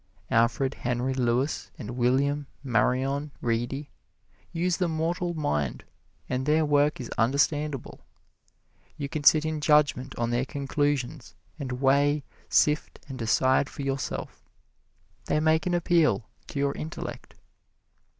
Alfred Henry Lewis and William Marion Reedy use the mortal mind, and their work is understandable. You can sit in judgment on their conclusions and weigh, sift and decide for yourself. They make an appeal to your intellect.